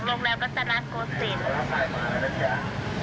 โรงแรมกัตตานักโกศิษฐ์